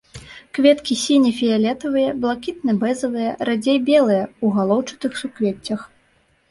Кветкі сіне-фіялетавыя, блакітна-бэзавыя, радзей белыя, у галоўчатых суквеццях.